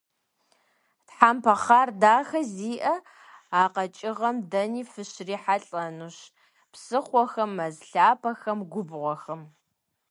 Тхьэмпэ хъар дахэ зиӏэ а къэкӏыгъэм дэни фыщрихьэлӏэнущ: псыхъуэхэм, мэз лъапэхэм, губгъуэхэм.